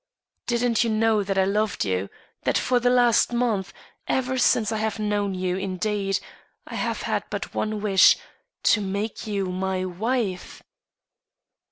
Didn't you know that I loved you? that for the last month ever since I have known you, indeed I have had but the one wish, to make you my wife?"